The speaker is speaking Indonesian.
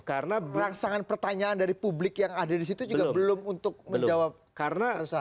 karena berlangsangan pertanyaan dari publik yang ada disitu juga belum untuk menjawab kerusahan